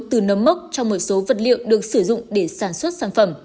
từ nấm mốc cho một số vật liệu được sử dụng để sản xuất sản phẩm